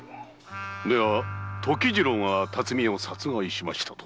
では時次郎が巽屋を殺害しましたと？